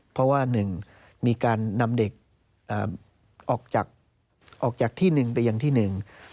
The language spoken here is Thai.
เพราะว่าหนึ่งมีการนำเด็กออกจากออกจากที่หนึ่งไปอย่างที่หนึ่ง